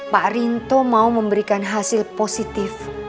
pak rinto mau memberikan hasil positif